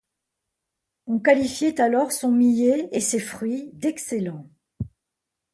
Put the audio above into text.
On qualifiait alors son millet et ses fruits d'excellents.